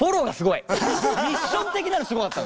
ミッション的なのすごかった。